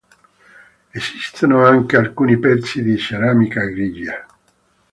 Esistono anche alcuni pezzi di ceramica grigia.